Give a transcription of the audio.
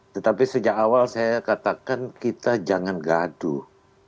tetapi sejak awal saya katakan kita jangan gaduh